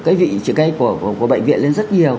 cái vị trí cây của bệnh viện lên rất nhiều